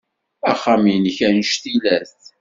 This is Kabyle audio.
Axxam-nnek anect ila-t.